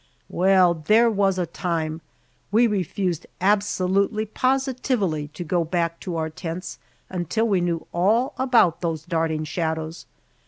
Well, there was a time! We refused absolutely, positively, to go back to our tents until we knew all about those darting shadows.